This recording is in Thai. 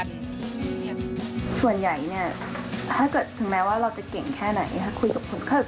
ส่วนใหญ่นี่ถ้าเก็บถึงแนวว่าเราจะเก่งแค่ไหน